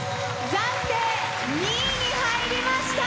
暫定２位に入りました。